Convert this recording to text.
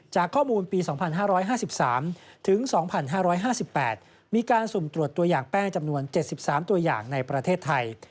จากข้อมูลปี๒๕๕๓๒๕๕๘มีการสุ่มตรวจตัวอย่างแป้งจำนวน๗๓ตัวอย่างในประเทศไทย